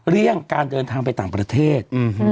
เรื่องการเดินทางไปต่างประเทศ